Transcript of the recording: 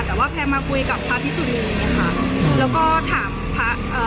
แต่ว่าแพลมาคุยกับพระพิสุนีค่ะแล้วก็ถามพระเอ่อ